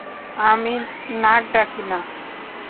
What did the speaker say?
আমি নাক ডাকি না।